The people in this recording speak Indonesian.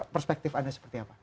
perspektif anda seperti apa